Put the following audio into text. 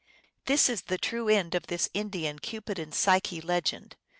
2 This is the true end of this Indian Cupid and Psyche legend.